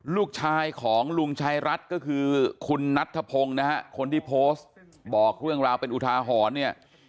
ลูกชายของลุงชายรัฐก็คือคุณนัทธพงศ์นะฮะคนที่โพสต์บอกเรื่องราวเป็นอุทาหรณ์เนี่ย